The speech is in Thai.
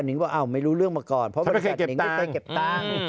นิงก็ว่าอ้าวไม่รู้เรื่องมาก่อนเพราะบริษัทนิงไม่เคยเก็บตังค์